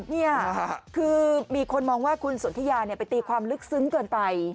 นี่คือมีคนมองว่าคุณสนทิยาไปตีความลึกซึ้งเกินไป